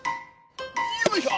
よいしょ！